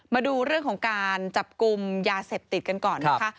มาดูเรื่องของการจับกลุ่มยาเสพติดกันก่อนนะคะ